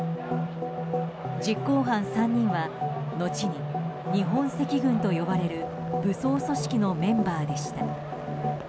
実行犯３人は後に日本赤軍と呼ばれる武装組織のメンバーでした。